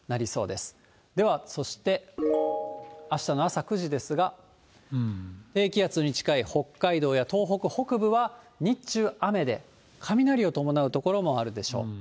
ではそして、あしたの朝９時ですが、低気圧に近い北海道や東北北部は、日中雨で、雷を伴う所もあるでしょう。